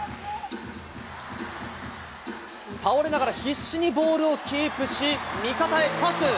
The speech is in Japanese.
倒れながら必死にボールをキープし、味方へパス。